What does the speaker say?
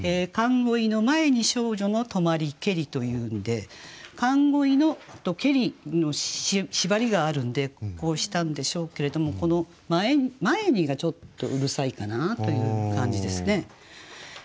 「寒鯉の前に少女の留まりけり」というんで「寒鯉の」と「けり」の縛りがあるんでこうしたんでしょうけれどもこの「前に」がちょっとうるさいかなという感じですね。